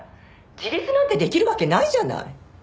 自立なんてできるわけないじゃない！